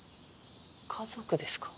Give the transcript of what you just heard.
家族ですか。